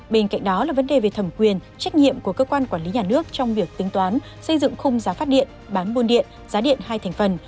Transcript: bên cạnh đó là vấn đề về thẩm quyền trách nhiệm của cơ quan quản lý nhà nước trong việc tính toán xây dựng khung giá phát điện bán buôn điện giá điện hai thành phần